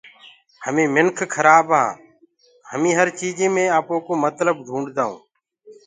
همينٚ منک کرآب هآن همينٚ هر چيجيٚ مي آپوڪو متلب ڍونٚڊدآئونٚ